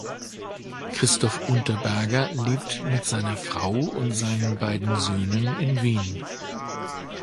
Christof Unterberger lebt mit seiner Frau und seinen beiden Söhnen in Wien.